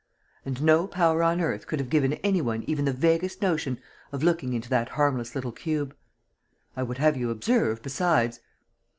And no power on earth could have given any one even the vaguest notion of looking into that harmless little cube. I would have you observe, besides...."